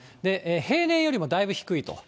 平年よりもだいぶ低いと。